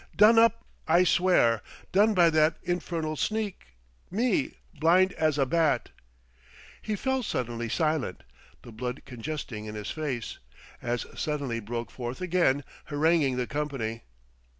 "Done up, I swear! Done by that infernal sneak me, blind as a bat!" He fell suddenly silent, the blood congesting in his face; as suddenly broke forth again, haranguing the company.